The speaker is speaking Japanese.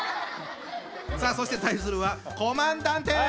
さあそして対するはコマンダンテ！